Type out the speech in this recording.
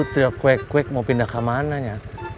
itu tiga kuek kuek mau pindah ke mananya